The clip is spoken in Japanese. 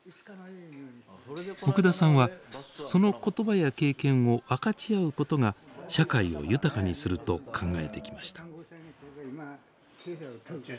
奥田さんはその言葉や経験を分かち合うことが社会を豊かにすると考えてきました。